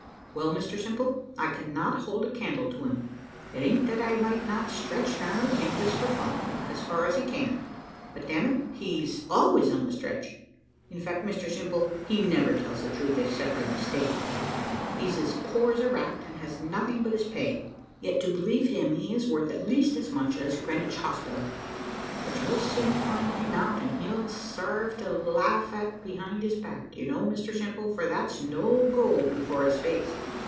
"Well, Mr Simple, I cannot hold a candle to him. It a'n't that I might not stretch now and again, just for fun, as far as he can, but, damn it, he's always on the stretch. In fact, Mr Simple, he never tells the truth except by mistake. He's as poor as a rat, and has nothing but his pay; yet to believe him, he is worth at least as much as Greenwich Hospital. But you'll soon find him out, and he'll sarve to laugh at behind his back, you know, Mr Simple, for that's no go before his face."